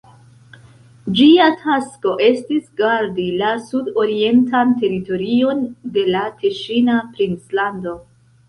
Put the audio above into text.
Ĝia tasko estis gardi la sudorientan teritorion de la Teŝina princlando.